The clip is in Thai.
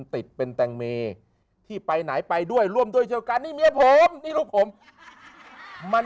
ติดเป็นแต่งเมที่ไปไหนไปด้วยร่วมด้วยเจ้าการมีลูกผมมัน